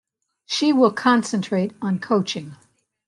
She will concentrate on coaching.